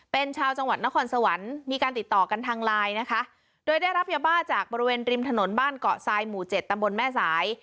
เป็นชาวจังหวัดนครสวรรค์มีการติดต่อกันทางไลน์นะคะโดยได้รับยาบ้าจากบริเวณริมถนนบ้านเกาะทรายหมู่เจ็ดตำบลแม่สาย